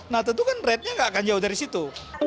nah tentu kan ratenya nggak akan jauh dari situ